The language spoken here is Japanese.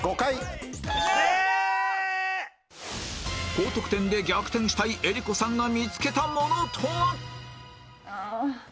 高得点で逆転したい江里子さんが見つけたものとは？